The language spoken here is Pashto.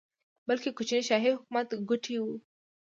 بلکې کوچني شاهي حکومت ګوټي وو.